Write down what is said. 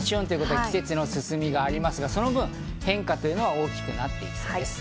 季節の進みがありますが、その分、変化は大きくなっていきそうです。